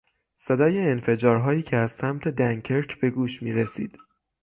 صدای انفجارهایی که از سمت دنکرک به گوش میرسید